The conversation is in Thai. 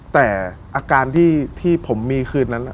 แต่อาการที่ผมมีคืนนั้น